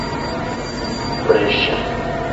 freŝa